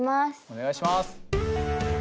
お願いします。